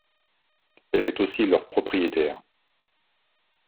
Elle est aussi leur propriétaire.